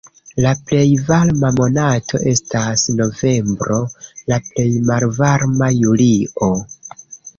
La plej varma monato estas novembro, la plej malvarma julio.